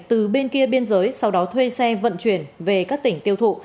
từ bên kia biên giới sau đó thuê xe vận chuyển về các tỉnh tiêu thụ